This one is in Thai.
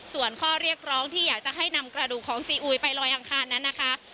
ส่วนข้อเรียกร้องที่อยากจะให้นำกระดูกของซีอุยไปลอยอังคารนั้นนะคะ